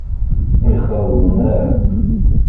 Yexṛeb umrar.